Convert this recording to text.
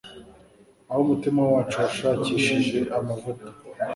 Aho umutima wacu washakishije amavuta